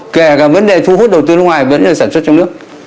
kể cả vấn đề thu hút đầu tư nước ngoài vẫn là sản xuất trong nước